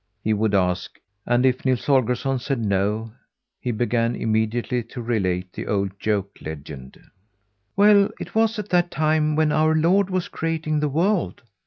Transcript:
he would ask, and if Nils Holgersson said no, he began immediately to relate the old joke legend. "Well, it was at that time when our Lord was creating the world.